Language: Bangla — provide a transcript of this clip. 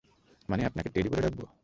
মানে, আপনাকে টেডি বলে ডাকব?